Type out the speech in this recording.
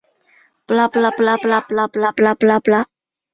巴夫斯出身于法甲球会图卢兹。